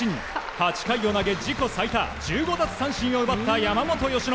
８回を投げ自己最多１５奪三振を奪った山本由伸。